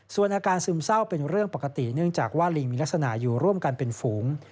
ส่วนอาการซึมเศร้าเป็นเรื่องปกติเนื่องจากว่าลิงมีลักษณะอยู่ร่วมกันเป็นฝูง